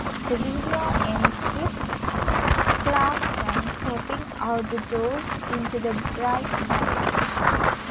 The video ends with Clarkson stepping out the doors into the bright sunlight.